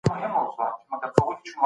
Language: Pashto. په ګرځېدو کې د زړه رګونه نه بندېږي.